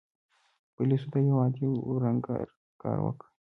پولیسو دا یو عادي ورانکار کار وګاڼه.